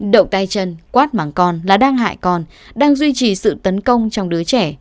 động tay chân quát mắng con là đang hại con đang duy trì sự tấn công trong đứa trẻ